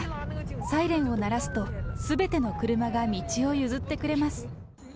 サイレンを鳴らすと、すべての車が道を譲ってくれます。